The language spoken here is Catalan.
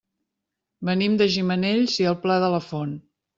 Venim de Gimenells i el Pla de la Font.